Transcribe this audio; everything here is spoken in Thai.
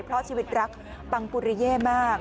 เพราะชีวิตรักปังปุริเย่มาก